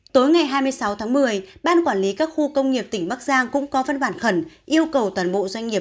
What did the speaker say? tối ngày hai mươi sáu tháng một mươi ban quản lý các khu công nghiệp tỉnh bắc giang cũng có văn bản khẩn yêu cầu toàn bộ doanh nghiệp